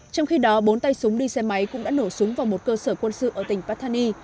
trong khi đó bốn tay súng đi xe máy cũng đã nổ súng vào một cơ sở quân sự ở tỉnh pathani